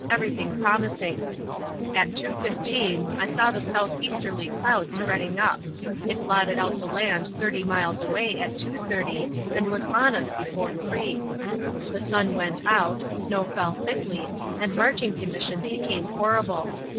everything promising. At 2.15 I saw the south easterly cloud spreading up; it blotted out the land 30 miles away at 2.30 and was on us before 3. The sun went out, snow fell thickly, and marching conditions became horrible.